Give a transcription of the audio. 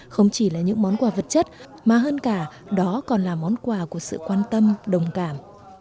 không chỉ là những món quà vật chất mà hơn cả đó còn là món quà của sự quan tâm đồng cảm